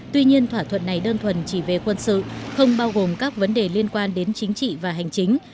tuy nhiên thỏa thuận này đơn thuần chỉ về quân sự không bao gồm các vấn đề liên quan đến chính trị và hành chính